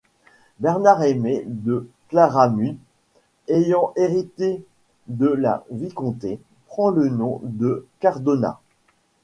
Bernard Aimé de Claramunt, ayant hérité de la vicomté, prend le nom de Cardona.